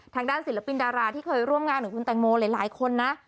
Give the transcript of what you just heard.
ทางด้านศิลปินดาราที่เคยร่วมงานของคุณแตงโมหลายคนนะ